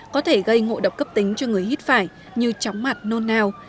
có thể gây ngộ độc cấp tính cho người hít phải như chóng mặt nôn nào